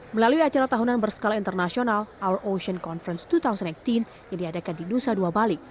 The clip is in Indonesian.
melalui acara tahunan berskala internasional our ocean conference dua ribu delapan belas yang diadakan di nusa dua bali